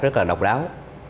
rất là độc đáo